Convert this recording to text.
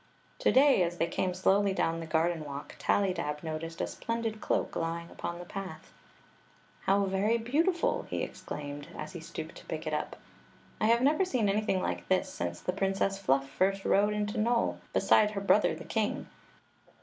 To day, as they came slowly down the garden walk, Tallydab noticed a splendid cloak lying upon the path. "H ow very beautiful !" he exclaimed, as he stooped to pick it up. I have never seen anything like this since the Princess Fluff first rode into Nole beside her brother the king.